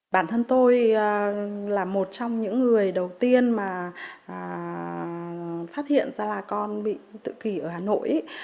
bản thân tôi là một trong những người đầu tiên mà phát hiện ra là con bị tự kỷ ở hà nội